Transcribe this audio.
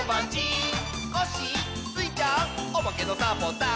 「コッシースイちゃんおまけのサボさん」